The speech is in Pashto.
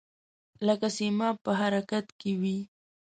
لکه سیماب په حرکت کې وي.